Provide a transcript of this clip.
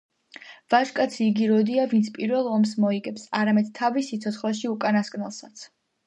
ვაჟკაცი იგი როდია ვინც პირველ ომს მოიგებს, არამედ თავის სიცოცხლეში უკანასკნელსაც.